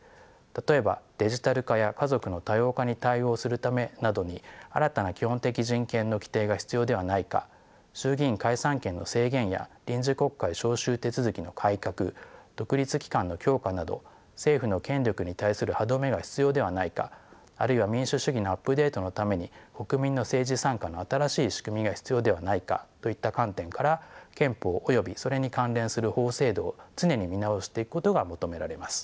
例えばデジタル化や家族の多様化に対応するためなどに新たな基本的人権の規定が必要ではないか衆議院解散権の制限や臨時国会召集手続きの改革独立機関の強化など政府の権力に対する歯止めが必要ではないかあるいは民主主義のアップデートのために国民の政治参加の新しい仕組みが必要ではないかといった観点から憲法およびそれに関連する法制度を常に見直していくことが求められます。